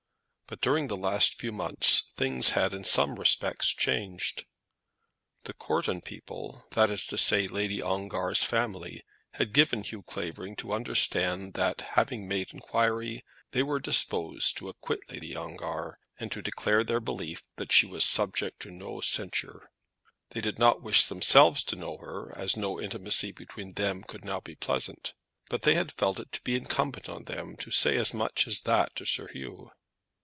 But during the last few months things had in some respects changed. The Courton people, that is to say, Lord Ongar's family, had given Hugh Clavering to understand that, having made inquiry, they were disposed to acquit Lady Ongar, and to declare their belief that she was subject to no censure. They did not wish themselves to know her, as no intimacy between them could now be pleasant; but they had felt it to be incumbent on them to say as much as that to Sir Hugh.